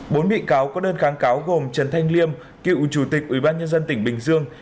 bốn bị cáo có đơn kháng cáo gồm trần thanh liêm cựu chủ tịch ubnd tỉnh bình dương